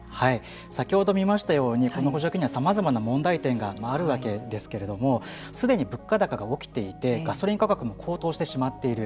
先ほど見ましたようにこの補助金にはさまざまな問題点があるわけですけれどもすでに物価高が起きていてガソリン価格も高騰してしまっている。